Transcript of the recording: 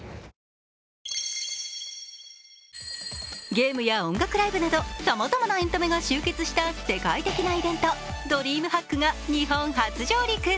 ゲームや音楽ライブなどさまざまなエンタメが集結した世界的なイベントＤｒｅａｍＨａｃｋが日本初上陸。